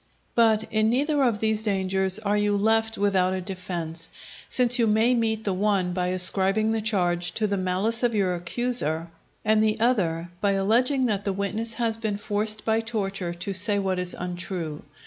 But in neither of these dangers are you left without a defence; since you may meet the one by ascribing the charge to the malice of your accuser, and the other by alleging that the witness his been forced by torture to say what is untrue.